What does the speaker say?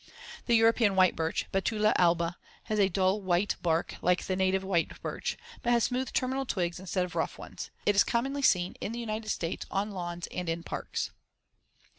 The European white birch (Betula alba) has a dull white bark like the native white birch, but has smooth terminal twigs instead of rough ones. It is commonly seen in the United States on lawns and in parks.